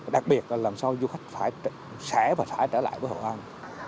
đặc biệt là làm sao du khách phải sẽ và phải trở lại với hội an